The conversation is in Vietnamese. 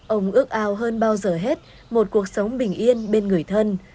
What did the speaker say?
ông ước ao hơn bao giờ hết một cuộc sống bình yên bên người thân